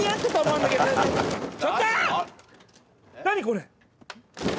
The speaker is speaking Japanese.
何これ？